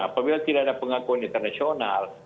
apabila tidak ada pengakuan internasional